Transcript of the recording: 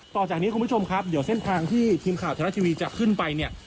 ต่อจากนี้คุณผู้ชมครับเดี๋ยวเส้นทางที่ทีมข่าวไทยรัฐทีวีจะขึ้นไปเนี่ย